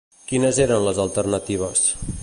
Quines eren les alternatives?